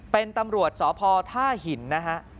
เป็นตำรวจสพท่าหินนะฮะ